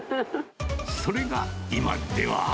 それが今では。